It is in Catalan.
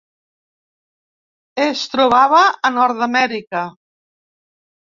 Es trobava a Nord-amèrica: